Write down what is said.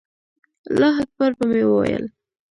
الله اکبر به مې وویل.